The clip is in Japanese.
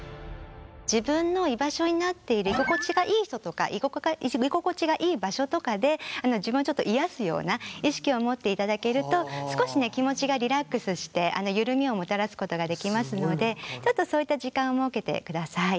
自分の居場所になっている居心地がいい人とか居心地がいい場所とかで自分をちょっと癒やすような意識を持っていただけると少しね気持ちがリラックスして緩みをもたらすことができますのでちょっとそういった時間を設けてください。